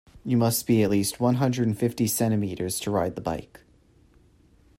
You must be at least one hundred and fifty centimeters to ride the bike.